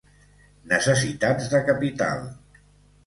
Necessitats de capital.